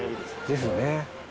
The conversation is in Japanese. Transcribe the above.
ですよね